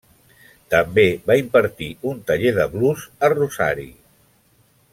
També va impartir un taller de 'blues' a Rosario.